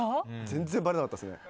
全然ばれたかったですね。